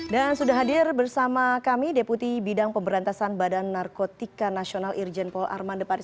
dan sudah hadir bersama kami deputi bidang pemberantasan badan narkotika nasional irjen paul armandeparis